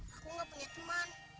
aku tidak punya teman